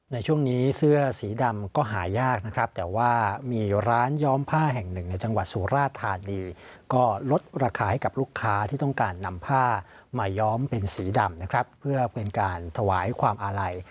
ในช่วงนี้เสื้อสีดำก็หายากนะครับแต่ว่ามีร้านย้อมผ้าแห่งหนึ่งในจังหวัดสุราธานีก็ลดราคาให้กับลูกค้าที่ต้องการนำผ้ามาย้อมเป็นสีดำนะครับเพื่อเป็นการถวายความอาลัย